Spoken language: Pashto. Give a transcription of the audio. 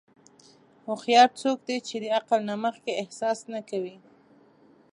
هوښیار څوک دی چې د عقل نه مخکې احساس نه کوي.